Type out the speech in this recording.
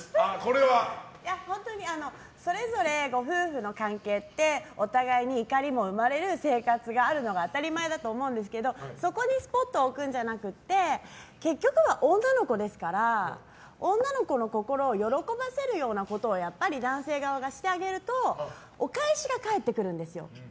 それぞれご夫婦の関係はお互いに怒りも生まれる生活があるのが当たり前だと思うんですけどそこにスポットを置くんじゃなくて結局は女の子ですから女の子の心を喜ばせるようなことはやっぱり男性側がしてあげるとお返しが返ってくるんですよ。